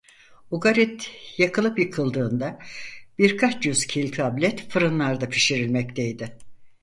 Ugarit yakılıp yıkıldığında birkaç yüz kil tablet fırınlarda pişirilmekteydi.